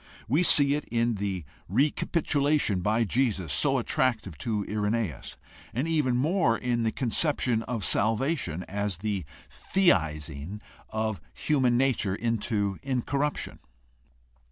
We see it in the '' recapitulation " by Jesus, so attractive to Irenaeus, and even more in the conception of salvation as the theizing of human nature into incorruption.